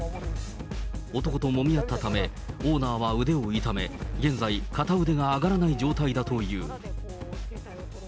男ともみ合ったため、オーナーは腕を痛め、現在、片腕が上がらない状態だという。